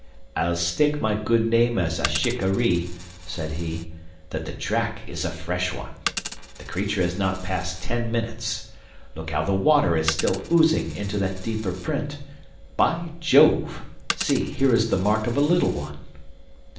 "I'll stake my good name as a shikarree," said he, "that the track is a fresh one. The creature has not passed ten minutes. Look how the water is still oozing into that deeper print! By Jove! See, here is the mark of a little one!"